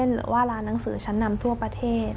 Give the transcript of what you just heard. หรือว่าร้านหนังสือชั้นนำทั่วประเทศ